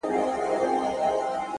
گراني زر واره درتا ځار سمه زه;